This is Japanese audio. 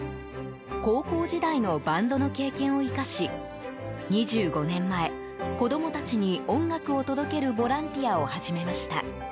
高校時代のバンドの経験を生かし２５年前子供たちに音楽を届けるボランティアを始めました。